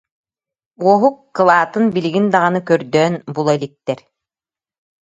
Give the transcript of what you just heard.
Уоһук кылаатын билигин даҕаны көрдөөн була иликтэр